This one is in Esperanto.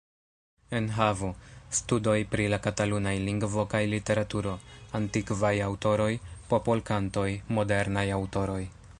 Enhavo: Studoj pri la katalunaj lingvo kaj literaturo; Antikvaj aŭtoroj; Popolkantoj; Modernaj aŭtoroj.